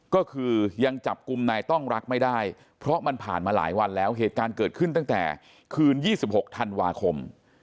ก็คือยังจับกลุ่มนายต้องรักไม่ได้เพราะมันผ่านมาหลายวันแล้วเหตุการณ์เกิดขึ้นตั้งแต่คืน๒๖ธันวาคม